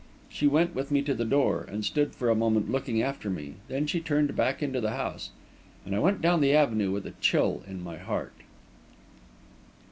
She went with me to the door, and stood for a moment looking after me; then she turned back into the house. And I went on down the avenue with a chill at my heart.